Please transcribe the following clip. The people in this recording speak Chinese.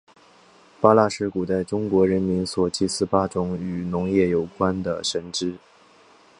八蜡是古代中国人民所祭祀八种与农业有关的神只。